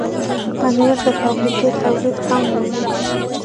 پنېر د فابریکې تولید هم وي.